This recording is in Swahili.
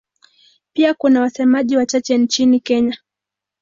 Pia kuna wasemaji wachache nchini Kenya.